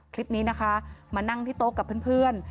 คลิปนี้นะคะมานั่งที่โต๊ะกับเพื่อน